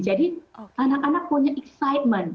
jadi anak anak punya excitement